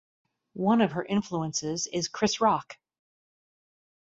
One of her influences is Chris Rock.